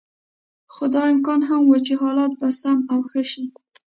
خو دا امکان هم و چې حالات به سم او ښه شي.